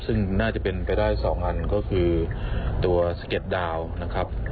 ซึ่งน่าจะเป็นไปได้๒อันก็คือตัวสะเก็ดดาวนะครับ